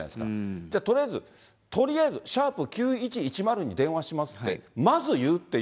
じゃあ、とりあえず＃９１１０に電話しますって、まず言うってい